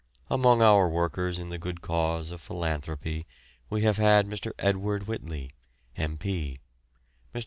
Among our workers in the good cause of philanthropy we have had Mr. Edward Whitley, M.P., Mr.